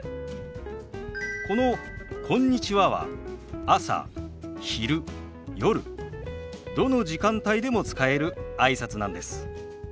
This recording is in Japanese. この「こんにちは」は朝昼夜どの時間帯でも使えるあいさつなんです。